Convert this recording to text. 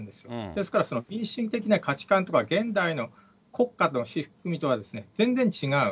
ですから因習的な価値観とか現代の国家の仕組みとは全然違う。